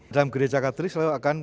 dalam gereja katris selalu akan